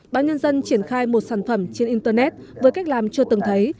báo nhân dân triển khai một sản phẩm trên internet với cách làm chưa từng thấy